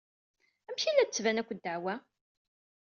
Amek i la d-tettban akk ddeɛwa?